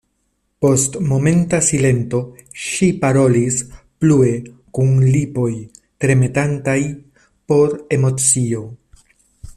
Post momenta silento ŝi parolis plue kun lipoj tremetantaj pro emocio: